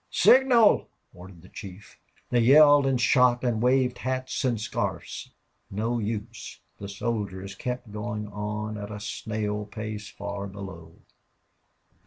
"Signal!" ordered the chief. They yelled and shot and waved hats and scarfs. No use the soldiers kept moving on at a snail pace far below.